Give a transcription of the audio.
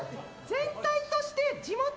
全体として地元！